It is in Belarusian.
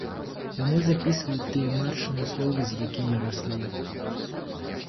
Яны запісваюць тыя матчыны словы, з якімі раслі.